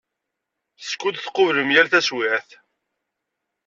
Skud tqublem yal taswiɛt.